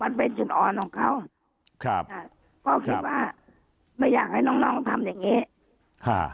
มันเป็นจุดอ่อนของเขาครับค่ะพ่อคิดว่าไม่อยากให้น้องน้องทำอย่างงี้ค่ะ